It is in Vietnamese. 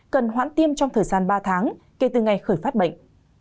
cần hoãn tiêm trong thời gian ba tháng kể từ ngày khởi phát bệnh